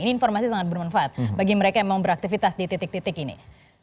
ini informasi sangat bermanfaat bagi mereka yang memang beraktivitas di titik titik ini